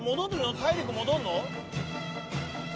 体力戻るの？